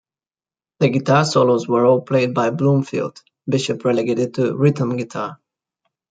The guitar solos were all played by Bloomfield, Bishop relegated to rhythm guitar.